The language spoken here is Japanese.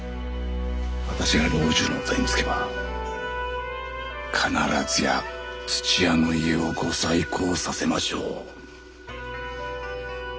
私が老中の座につけば必ずや土屋の家をご再興させましょう。